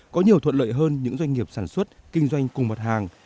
có nhiều thuận lợi hơn những doanh nghiệp sản xuất kinh doanh cùng mặt hàng